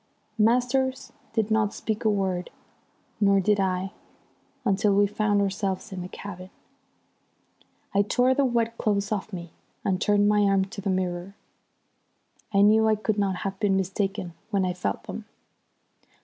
Masters did not speak a word, nor did I, until we found ourselves in the cabin. I tore the wet clothes off me and turned my arm to the mirror. I knew I could not have been mistaken when I felt them.